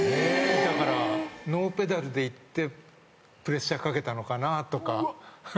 だからノーペダルでいってプレッシャーかけたのかなとか。